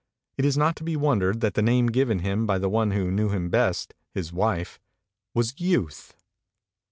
It is not to be wondered at that the name given him by the one who knew him best, his wife, was " Youth."